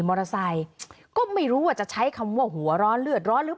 มอเตอร์ไซค์ก็ไม่รู้ว่าจะใช้คำว่าหัวร้อนเลือดร้อนหรือ